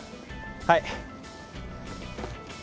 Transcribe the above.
はい！